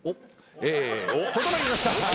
整いました。